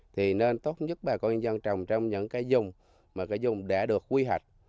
thì nên tốt nhất bà con nhân dân trồng trong những cái dùng mà cái dùng đã được quy hoạch